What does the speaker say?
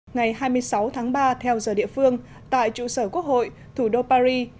ngày hai mươi sáu tháng ba theo giờ địa phương tại trụ sở quốc hội thủ đô paris